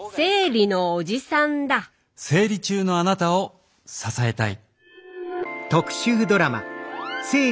生理中のあなたを支えたい。